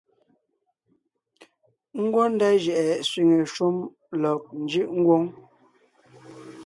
Ngwɔ́ ndá jʉʼɛ sẅiŋe shúm lɔg njʉʼ ngwóŋ;